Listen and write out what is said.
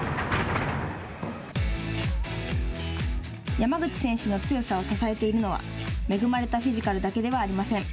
山口選手の強さを支えているのは恵まれたフィジカルだけではありません。